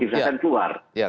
zulkifli hasan keluar